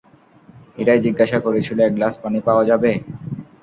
এটাই জিজ্ঞাসা করেছিল এক গ্লাস পানি পাওয়া যাবে?